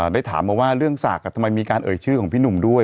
ได้ถามมาว่าเรื่องศักดิ์ทำไมมีการเอ่ยชื่อของพี่หนุ่มด้วย